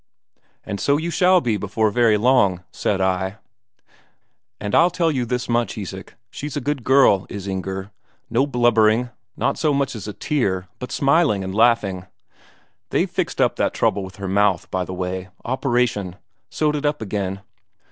'And so you shall before very long,' said I. And I'll tell you this much, Isak, she's a good girl, is Inger. No blubbering, not so much as a tear, but smiling and laughing ... they've fixed up that trouble with her mouth, by the way operation sewed it up again.